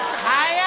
はい。